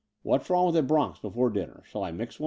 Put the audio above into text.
What's wrong with a bronx before diimer ? Shall I mix one